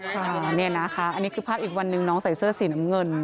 ค่ะนี่นะคะอันนี้คือภาพอีกวันหนึ่งน้องใส่เสื้อสีน้ำเงิน